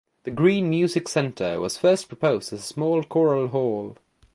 The Green Music Center was first proposed as a small choral hall.